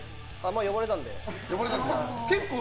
呼ばれたので。